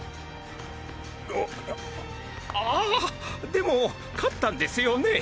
ああでも勝ったんですよね？